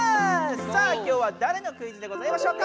さあ今日はだれのクイズでございましょうか？